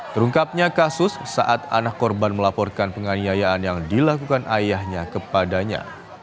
terungkapnya kasus saat anak korban melaporkan penganiayaan yang dilakukan ayahnya kepadanya